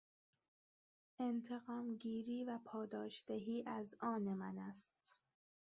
انتقامگیری و پاداشدهی از آن من است.